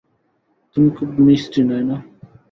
তুমি খুব মিষ্টি, নায়না।